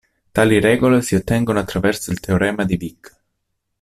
Tali regole si ottengono attraverso il teorema di Wick.